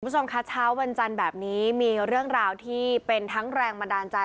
ผู้ชมคะช้าวบรรจันแบบนี้มีเรื่องราวที่เป็นทั้งแรงมาด่านใจ